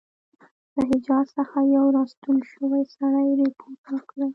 له حجاز څخه یو را ستون شوي سړي رپوټ راکړی.